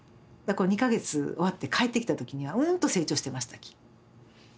２か月終わって帰ってきた時にはうんと成長してましたき。